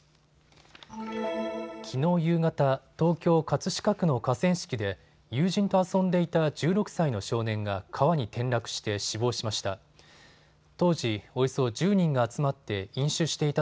きのう夕方、東京葛飾区の河川敷で友人と遊んでいた１６歳の少年が川に転落して死亡しました。